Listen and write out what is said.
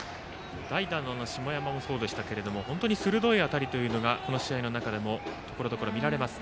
代打の下山もそうでしたけれども鋭い当たりがこの試合の中でもところどころで見られます